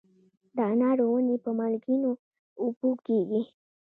د انارو ونې په مالګینو اوبو کیږي؟